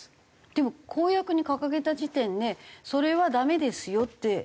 でも公約に掲げた時点でそれはダメですよって。